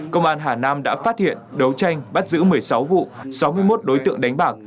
công an hà nam đã phát hiện đấu tranh bắt giữ một mươi sáu vụ sáu mươi một đối tượng đánh bạc